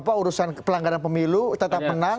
apa urusan pelanggaran pemilu tetap menang